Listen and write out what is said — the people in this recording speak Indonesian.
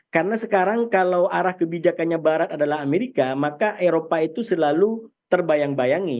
karena sekarang kalau arah kebijakannya barat adalah amerika maka eropa itu selalu terbayang bayangi